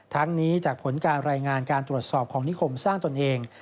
ทั้งนี้จากผลการรายงานการตรวจสอบของนิคมสร้างตนเอง